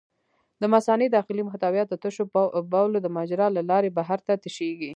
د مثانې داخلي محتویات د تشو بولو د مجرا له لارې بهر ته تشېږي.